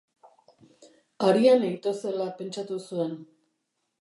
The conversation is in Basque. Ariane ito zela pentsatu zuen.